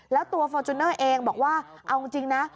แล้วตัวฟอร์จูเนอร์เองบอกว่าเอาจริงนะ